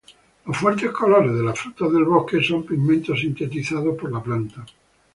Los fuertes colores de las frutas del bosque son pigmentos sintetizados por la planta.